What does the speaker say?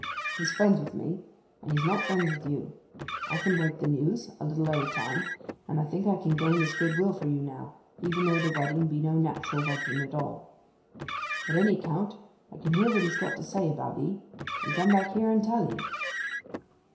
He's friends with me, and he's not friends with you. I can break the news, a little at a time, and I think I can gain his good will for you now, even though the wedding be no natural wedding at all. At any count, I can hear what he's got to say about 'ee, and come back here and tell 'ee.